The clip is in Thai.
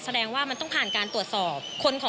แสดงว่ามันต้องผ่านการตรวจสอบ